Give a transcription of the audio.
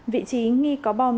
vị trí nghi có bom